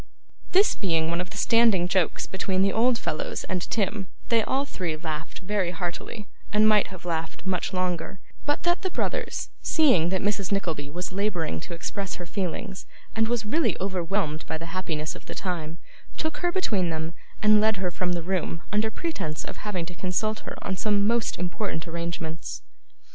This being one of the standing jokes between the old fellows and Tim, they all three laughed very heartily, and might have laughed much longer, but that the brothers, seeing that Mrs. Nickleby was labouring to express her feelings, and was really overwhelmed by the happiness of the time, took her between them, and led her from the room under pretence of having to consult her on some most important arrangements.